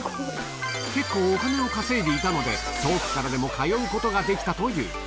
結構お金を稼いでいたので、遠くからでも通うことができたという。